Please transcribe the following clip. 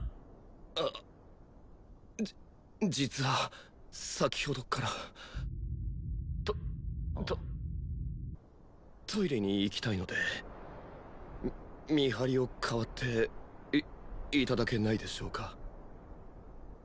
あじ実は先ほどからトトトイレに行きたいのでみ見張りを替わっていいただけないでしょうか？